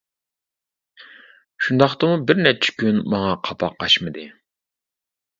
شۇنداقتىمۇ بىر نەچچە كۈن ماڭا قاپاق ئاچمىدى.